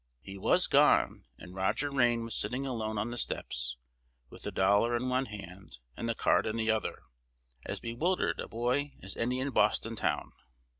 He was gone, and Roger Rayne was sitting alone on the steps, with the dollar in one hand, and the card in the other, as bewildered a boy as any in Boston town.